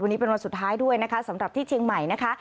วันนี้เป็นวันสุดท้ายด้วยนะคะสำหรับที่เชียงใหม่นะคะ